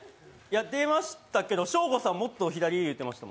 出ましたけど、ショーゴさんもっと左いってました。